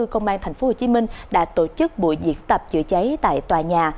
công an tp hcm đã tổ chức buổi diễn tập chữa cháy tại tòa nhà